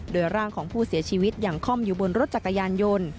โดยร่างของผู้เสียชีวิตยังค่อมอยู่บนรถจักรยานยนต์